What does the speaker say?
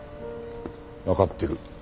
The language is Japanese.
わかってる。